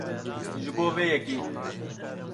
Ji bo vê yekê